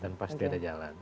dan pasti ada jalan